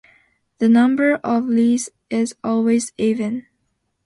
The number of leads is always even.